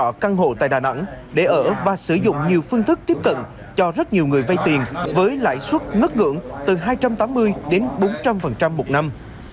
các đối tượng đã thuê các căn hộ tại đà nẵng để ở và sử dụng nhiều phương thức tiếp cận cho rất nhiều người vay tiền với lãi suất ngất ngưỡng từ hai trăm tám mươi đến bốn trăm linh một năm